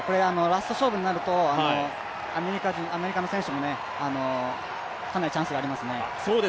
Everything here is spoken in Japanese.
ラスト勝負になると、アメリカの選手もかなりチャンスがありますね。